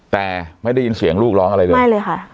แต่ไม่ได้ยินเสียงลูกร้องอะไรเลยไม่เลยค่ะ